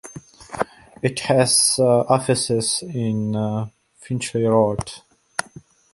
It has offices in Finchley Road.